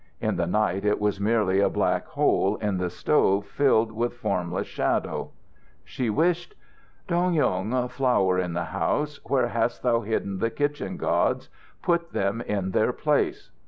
In the night it was merely a black hole in the stove filled with formless shadow. She wished "Dong Yung, Flower in the House, where hast thou hidden the kitchen gods? Put them in their place."